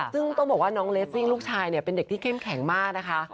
ซึ่งต้องบอกว่าน้องเลสซิ่งลูกชายเนี่ยเป็นเด็กที่เข้มแข็งมากนะคะ